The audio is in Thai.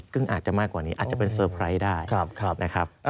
ซึ่งอาจจะมากกว่านี้อาจจะเป็นเซอร์ไพรส์ได้นะครับ